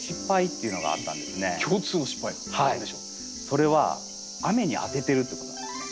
それは雨に当ててるってことなんですね。